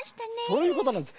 そういうことなんです。